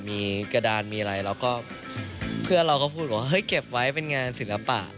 มีกระดานมีอะไรแล้วก็เพื่อนเราก็พูดว่าเฮ้ยเก็บไว้เป็นงานศิลปะ